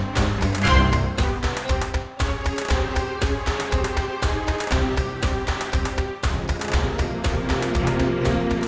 terima kasih pak